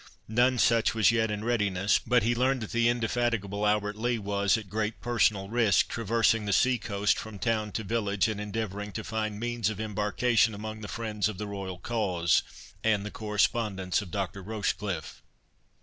None such was yet in readiness; but he learned that the indefatigable Albert Lee was, at great personal risk, traversing the sea coast from town to village, and endeavouring to find means of embarkation among the friends of the royal cause, and the correspondents of Dr. Rochecliffe.